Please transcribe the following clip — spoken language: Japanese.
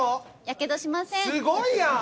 すごいやん！